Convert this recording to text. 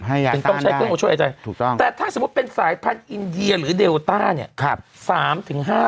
ให้ยักษ์ต้านได้ถูกต้องแต่ถ้าสมมติเป็นสายพันธุ์อินเดียหรือเดลต้าเนี่ย